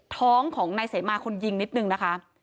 ของนายเสมาคนยิงนิดนึงนะคะ